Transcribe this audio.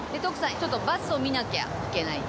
ちょっとバスを見なきゃいけないんで。